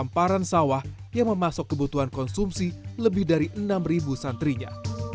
pembuatan hamparan sawah yang memasuk kebutuhan konsumsi lebih dari enam santrinya